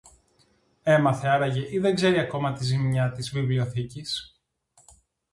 Έμαθε άραγε, ή δεν ξέρει ακόμη τη ζημιά της βιβλιοθήκης;